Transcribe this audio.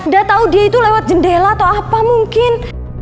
gak tau dia itu lewat jendela atau apa mungkin